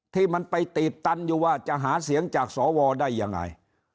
ที่มันไปตีบตันอยู่ว่าจะหาเสียงจากสวได้ยังไง